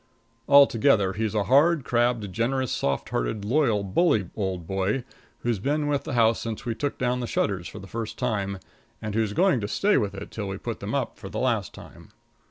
Altogether he's a hard, crabbed, generous, soft hearted, loyal, bully old boy, who's been with the house since we took down the shutters for the first time, and who's going to stay with it till we put them up for the last time.